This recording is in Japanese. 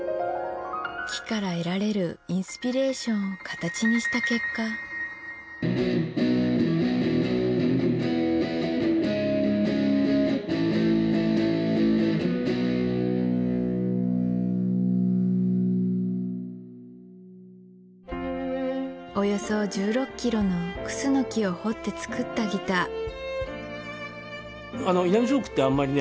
木から得られるインスピレーションを形にした結果およそ１６ｋｇのクスノキを彫ってつくったギター井波彫刻ってあんまりね